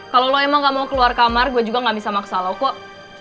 kalau lo emang gak mau keluar kamar gue juga gak bisa maksa lo kok